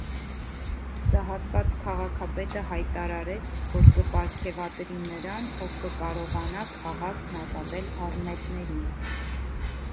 Հուսահատված քաղաքապետը հայտարարեց, որ կպարգևատրի նրան, ով կկարողանա քաղաքն ազատել առնետներից։